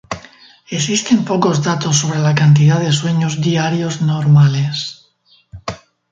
Existen pocos datos sobre la cantidad de sueños diarios normales.